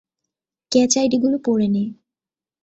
Catch আইডিগুলো পরে নে।